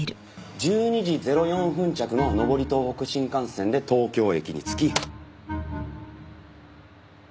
１２時０４分着の上り東北新幹線で東京駅に着き。